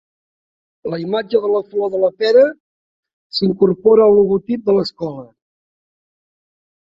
La imatge de la flor de la pera s'incorpora al logotip de l'escola.